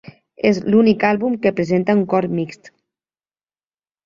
És l'únic àlbum que presenta un cor mixt.